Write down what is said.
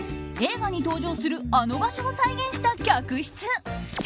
映画に登場するあの場所を再現した客室。